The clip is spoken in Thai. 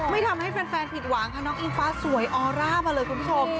ไม่ทำให้แฟนผิดหวังค่ะน้องอิงฟ้าสวยออร่ามาเลยคุณผู้ชม